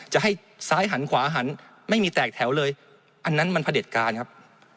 จะให้ซ้ายหันขวาหันไม่มีแตกแถวเลยอันนั้นมันพระเด็จการครับ